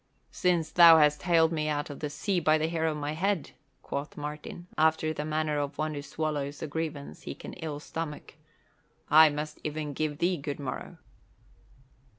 "Since thou hast haled me out of the sea by the hair of my head," quoth Martin, after the manner of one who swallows a grievance he can ill stomach, "I must e'en give thee good morrow."